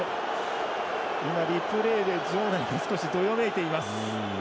今、リプレーで場内が少しどよめいています。